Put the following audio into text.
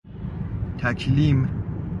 تکلیم